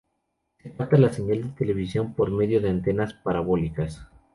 Se capta la señal de televisión por medio de antenas parabólicas.